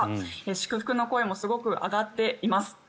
祝福の声もすごく上がっています。